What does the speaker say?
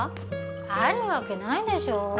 あるわけないでしょ